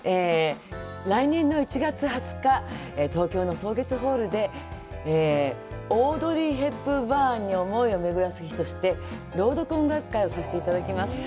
来年の１月２０日、東京の草月ホールでオードリー・ヘプバーンに思いをめぐらせる日として「朗読音楽会」をさせていただきます。